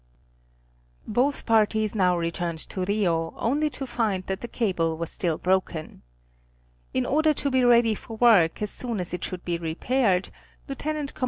1M Both parties now returned to Rio, only to find that the cable was still broken. In order to be ready for work as soon as it should be repaired, Lieut. Com.